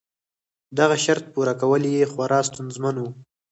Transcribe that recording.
دغه شرط پوره کول یې خورا ستونزمن و.